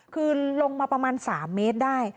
คือลงมาประมาณ๓เมตรได้